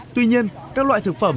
tuy nhiên các loại thực phẩm